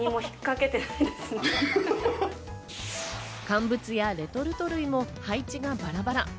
乾物やレトルト類も配置がバラバラ。